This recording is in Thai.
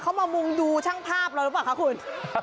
เขามามุงดูช่างภาพเราหรือเปล่าคะคุณ